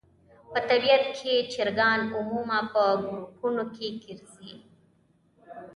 په طبیعت کې چرګان عموماً په ګروپونو کې ګرځي.